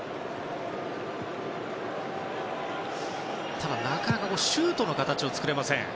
ただ、なかなかシュートの形を作れません。